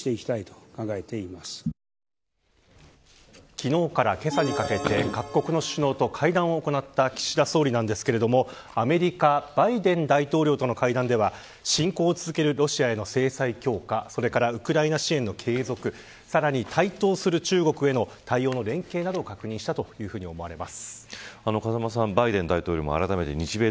昨日からけさにかけて各国の首脳と会談を行った岸田総理なんですがアメリカバイデン大統領との会談では侵攻を続けるロシアへの制裁強化それからウクライナ支援の継続さらに台頭する中国への対応連携などを確認したところもあります。